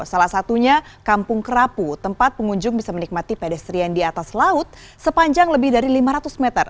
salah satunya kampung kerapu tempat pengunjung bisa menikmati pedestrian di atas laut sepanjang lebih dari lima ratus meter